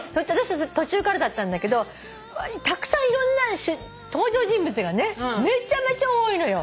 途中からだったんだけどたくさんいろんな登場人物がねめちゃめちゃ多いのよ！